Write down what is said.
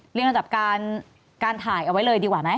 ระดับการถ่ายเอาไว้เลยดีกว่าไหม